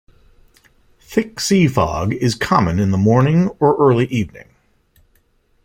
Thick sea fog is common in the morning or early evening.